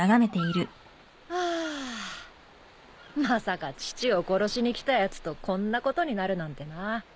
まさか父を殺しに来たやつとこんなことになるなんてな。